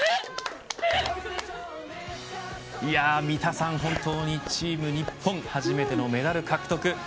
三田さん、本当にチーム日本初めてのメダル獲得。